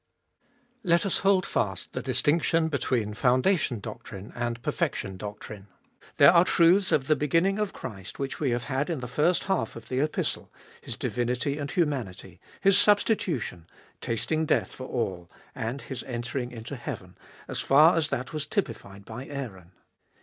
1. Let us hold fast the distinction between foundation doctrine and perfection doctrine. There are truths of the beginning of Christ, which we have had in the first half of the Epistle— His diuinity and humanity, His substitution, tasting death for all, and His entering into heaven, as far as that was typified by Aaron.